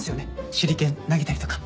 手裏剣投げたりとか。